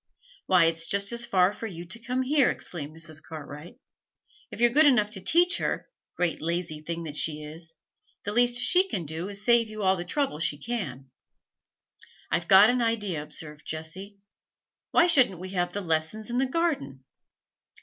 'Why, it's just as far for you to come here,' exclaimed Mrs. Cartwright. 'If you're good enough to teach her great, lazy thing that she is! the least she can do is to save you all the trouble she can.' 'I've got an idea,' observed Jessie. 'Why shouldn't we have lessons in the garden?'